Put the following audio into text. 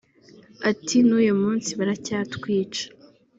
Ati “N’uyu munsi baracyatwica